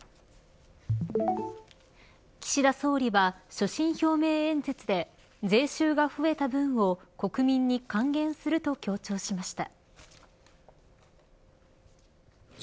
岸田総理は所信表明演説で税収が増えた分を国民に還元すると強調しました。